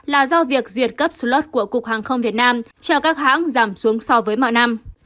là do việc duyệt cấp slot của cục hàng không việt nam cho các hãng giảm xuống so với mọi năm